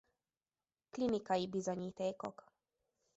Klinikai bizonyítékok.